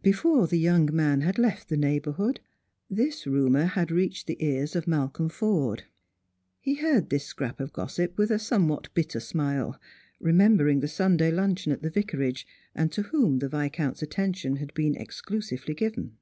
Before the young man had left the neighbourhood, this rumour had reached the ears of Malcolm Forde. He heard this scrap of gossip with a somewhat bitter smile, remembering the Sunday luncheon at the Vicarage, and to whom the Viscount's attention had been exclusively given.